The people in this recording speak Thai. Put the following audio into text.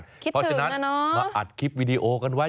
คิดถึงกันเนอะพอฉะนั้นมาอัดคลิปวิดีโอกันไว้